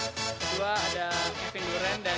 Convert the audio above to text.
kedua ada kevin durant dan